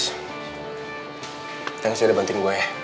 kita harusnya debatin saya